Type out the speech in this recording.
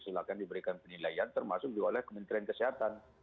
silahkan diberikan penilaian termasuk juga oleh kementerian kesehatan